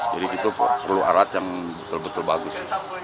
jadi kita perlu alat yang betul betul bagus